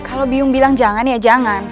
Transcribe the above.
kalau bingung bilang jangan ya jangan